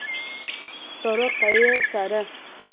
سړک يې څاره.